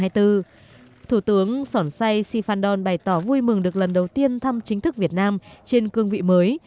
thủ tướng sỏn say sĩ phan đòn bày tỏ vui mừng được lần đầu tiên thăm chính thức việt nam trên cương vị mới